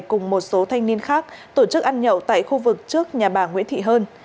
cùng một số thanh niên khác tổ chức ăn nhậu tại khu vực trước nhà bà nguyễn thị hơn